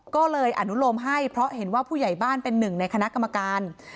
ก็เลยอนุโลมให้เพราะเห็นว่าผู้ใหญ่บ้านเป็นหนึ่งในคณะกรรมการ